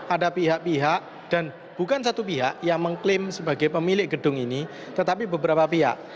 ada pihak pihak dan bukan satu pihak yang mengklaim sebagai pemilik gedung ini tetapi beberapa pihak